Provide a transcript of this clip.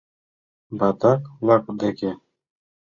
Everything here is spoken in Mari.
Баттак-влак деке?..”